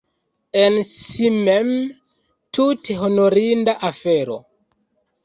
En si mem, tute honorinda afero.